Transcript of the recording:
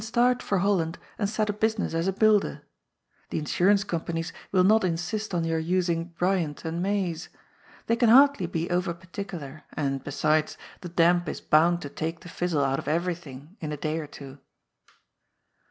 start for Holland and set up business as a builder. The insurance companies will not insist on your using Bryant and May's. They can hardly be over particular, and, be sides, the damp is bound to take the fizzle out of everything in a day or two.